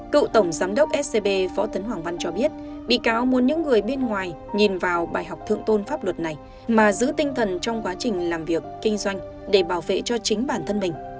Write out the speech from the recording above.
cựu tổng giám đốc scb phó tấn hoàng văn cho biết bị cáo muốn những người bên ngoài nhìn vào bài học thượng tôn pháp luật này mà giữ tinh thần trong quá trình làm việc kinh doanh để bảo vệ cho chính bản thân mình